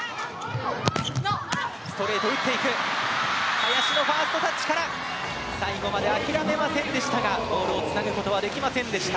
林のファーストタッチから最後まで諦めませんでしたがボールをつなぐことはできませんでした。